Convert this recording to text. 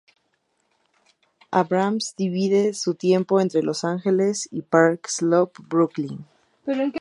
Abrahams divide su tiempo entre Los Ángeles y Park Slope, Brooklyn.